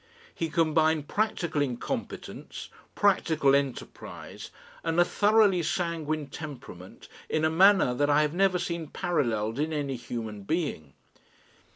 He combined practical incompetence, practical enterprise and a thoroughly sanguine temperament, in a manner that I have never seen paralleled in any human being.